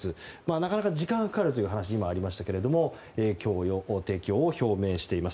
なかなか時間がかかるという話もありましたが提供を表明しています。